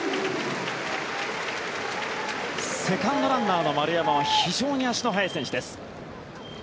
セカンドランナーの丸山は非常に足の速い選手です。